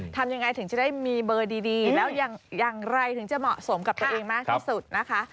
ทำยังไงถึงจะได้มีเบอร์ดีแล้วอย่างไรถึงจะเหมาะสมกับตัวเองมากที่สุดนะคะ